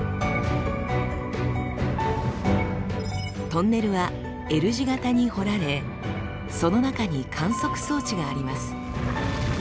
トンネルはＬ字型に掘られその中に観測装置があります。